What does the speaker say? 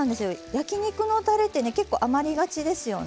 焼き肉のたれってね結構余りがちですよね。